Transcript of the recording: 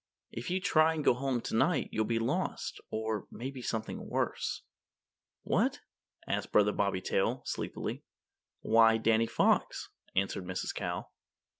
"If you try to go home tonight you'll be lost or maybe something worse." "What?" asked Brother Bobby Tail, sleepily. "Why, Danny Fox," answered Mrs. Cow.